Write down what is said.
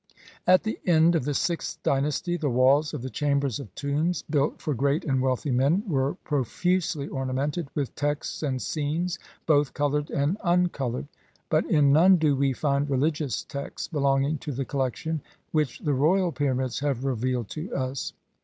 At the end of the sixth dynasty the walls of the chambers of tombs built for great and wealthy men were profusely ornamented with texts and scenes, both coloured and uncoloured ; but in none do we find religious texts belonging to the collection which the royal pyramids have revealed to us.